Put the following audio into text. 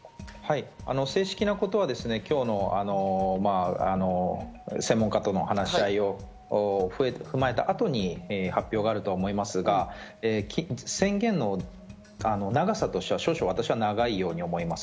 正式なことは今日の専門家との話し合いを踏まえた後に発表があると思いますが宣言の長さとしては私は少々長いように思います。